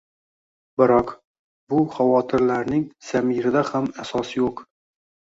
Biroq, bu xavotirlarning zamirida ham asos yo‘q